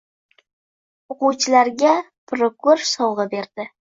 O‘quvchilarga prokuror sovg‘a berdi